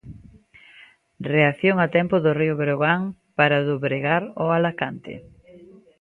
Reacción a tempo do Río Breogán para dobregar o Alacante.